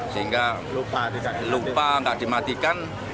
sehingga lupa tidak dimatikan